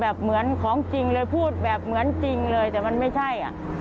เหมือนของจริงเลยพูดแบบเหมือนจริงเลยแต่มันไม่ใช่อ่ะ